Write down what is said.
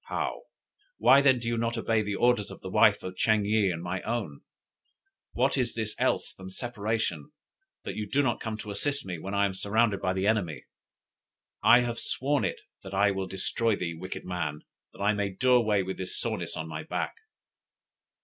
Paou: "Why then do you not obey the orders of the wife of Ching yih and my own? What is this else than separation, that you do not come to assist me, when I am surrounded by the enemy? I have sworn it that I will destroy thee, wicked man, that I may do away with this soreness on my back."